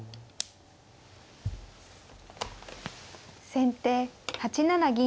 先手８七銀。